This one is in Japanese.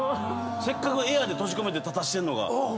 せっかくエアで閉じ込めて立たせてるのが。